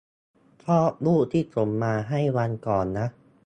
ชอบรูปที่ส่งมาให้วันก่อนนะ